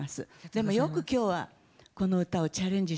でも、よくきょうはこの歌をチャレンジ。